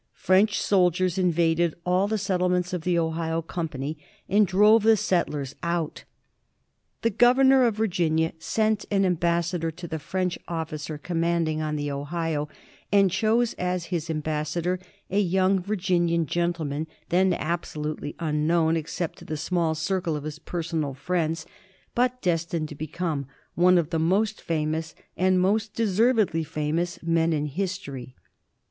285 French soldiers invaded all the settlements of the Ohio company and drove the settlers out. The Governor of Virginia sent an ambassador to the French officer com manding on the Ohio, and chose as his ambassador a young Virginian gentleman then absolutely unknown ex cept to the small circle of his personal friends, but des tined to become one of the most famous, and most de servedly famous, men in history.